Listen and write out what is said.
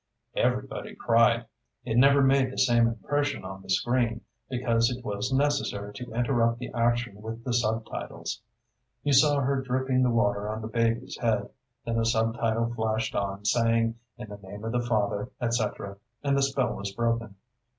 Everybody cried. It never made the same impression on the screen, because it was necessary to interrupt the action with the sub titles. You saw her dripping the water on the baby's head; then a sub title flashed on, saying: "In the Name of the Father, etc.," and the spell was broken.